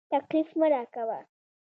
تکليف مه راکوه.